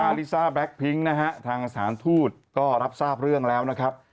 ขู่ฆ่าลิซ่าแบ็คพิงค์ทางสารทูตก็รับทราบเรื่องแล้วนะครับ